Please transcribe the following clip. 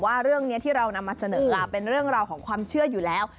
ว่าเรื่องนี้ที่เรานำมาเสนอเป็นเรื่องราวของความเชื่ออยู่แล้ว